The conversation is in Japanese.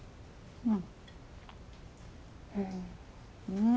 うん。